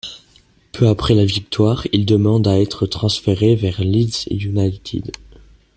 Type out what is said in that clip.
Peu après la victoire, il demande à être transféré vers Leeds United.